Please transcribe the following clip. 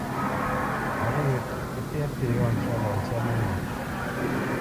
A wǔt yə pə́ tɛ̂ pí yɔ̂ ŋkya lɔ ntyá mə́nɔ.